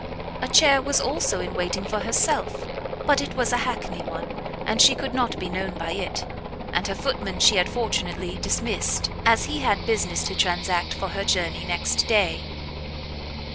A chair was also in waiting for herself, but it was a hackney one, and she could not be known by it; and her footman she had fortunately dismissed, as he had business to transact for her journey next day.